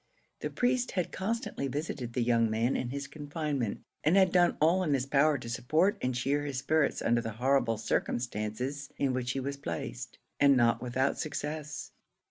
The priest had constantly visited the young man in his confinement, and had done all in his power to support and cheer his spirits under the horrible circumstances in which he was placed, and not without success.